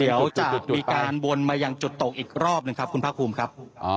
เดี๋ยวจะมีการวนมายังจุดตกอีกรอบหนึ่งครับคุณภาคภูมิครับ